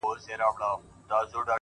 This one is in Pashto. • ما په اول ځل هم چنداني گټه ونه کړه،